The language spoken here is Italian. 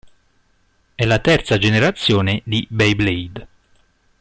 È la terza generazione di "Beyblade".